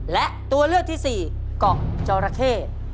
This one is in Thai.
และตัวเลือกที่สี่เกาะจอราเข้